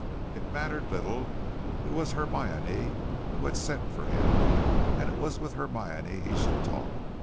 It mattered little. It was Hermione who had sent for him, and it was with Hermione he should talk.